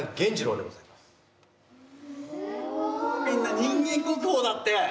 みんな人間国宝だって！